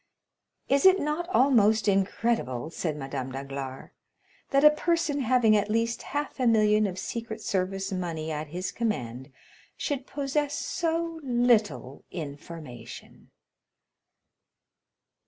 "Is it not almost incredible," said Madame Danglars, "that a person having at least half a million of secret service money at his command, should possess so little information?"